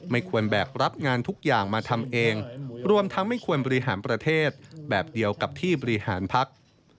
ไม่ควรแบกรับงานทุกอย่างมาทำเองรวมทั้งไม่ควรบริหารประเทศแบบเดียวกับที่บริหารพัก